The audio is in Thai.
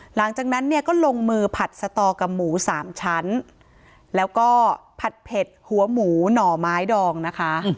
หลังจากนั้นเนี่ยก็ลงมือผัดสตอกับหมูสามชั้นแล้วก็ผัดเผ็ดหัวหมูหน่อไม้ดองนะคะ